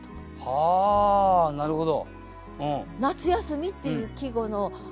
はあなるほど。